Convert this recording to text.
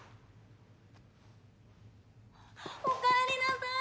おかえりなさい！